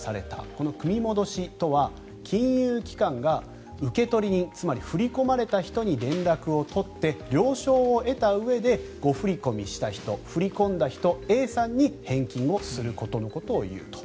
この組み戻しとは金融機関が受取人つまり振り込まれた人に連絡を取って了承を得たうえで誤振り込みした人振り込んだ人、Ａさんに返金をすることをいうと。